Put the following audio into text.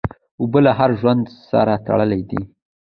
اوبه له هر ژوند سره تړلي دي.